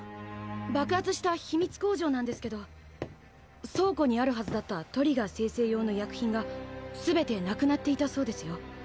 爆発した秘密工場なんですけど倉庫にあるはずだったトリガー精製用の薬品が全てなくなっていたそうですよ。